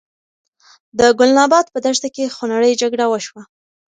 د ګلناباد په دښته کې خونړۍ جګړه وشوه.